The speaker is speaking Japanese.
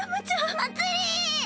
まつり！